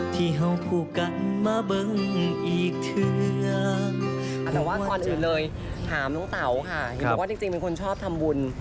ถ้าคุณน้องเต๋าค่ะนี่บอกว่าจริงเป็นคนชอบทำบุญ